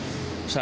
saya tentu saja